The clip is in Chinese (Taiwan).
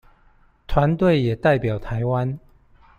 團隊也代表臺灣